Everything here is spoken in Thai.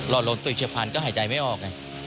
รอดลมตีบเฉียบพันธุ์ก็หายใจไม่ออก